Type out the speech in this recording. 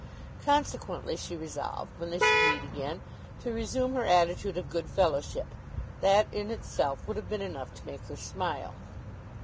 Consequently she resolved, when they should meet again, to resume her attitude of good fellowship. That in itself would have been enough to make her smile.